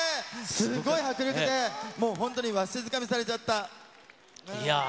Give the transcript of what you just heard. すごい迫力で、もう本当にわしづかみされちゃった。